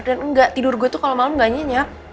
dan enggak tidur gue tuh kalau malem gak nyenyak